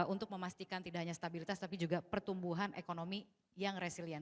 untuk memastikan tidak hanya stabilitas tapi juga pertumbuhan ekonomi yang resilient